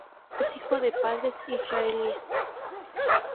Es hijo de padres israelíes.